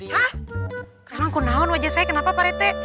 hah kenapa aku naun wajah saya kenapa pak rete